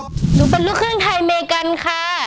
หนูเป็นลูกครึ่งไทยอเมริกันค่ะ